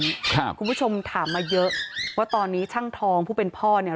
คุณผู้ชมถามมาเยอะว่าตอนนี้ช่างทองผู้เป็นพ่อเนี่ย